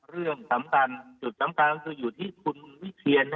เรื่องสำคัญจุดสำคัญก็คืออยู่ที่คุณวิเชียน